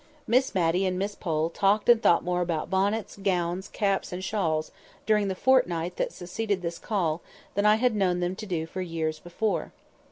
Miss Matty and Miss Pole talked and thought more about bonnets, gowns, caps, and shawls, during the fortnight that succeeded this call, than I had known them do for years before.